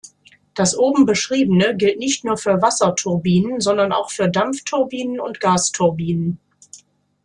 Das oben beschriebene gilt nicht nur für Wasserturbinen, sondern auch Dampfturbinen und Gasturbinen.